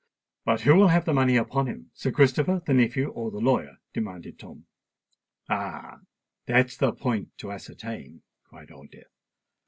"But who will have the money about him—Sir Christopher, the nephew, or the lawyer?" demanded Tom. "Ah! that's the point to ascertain," cried Old Death.